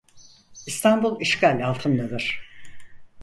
İstanbul işgal altındadır.